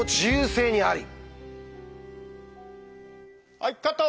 はいカット！